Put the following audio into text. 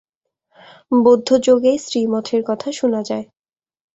বৌদ্ধযোগেই স্ত্রী-মঠের কথা শুনা যায়।